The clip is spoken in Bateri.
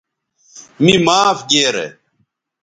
می معاف گیرے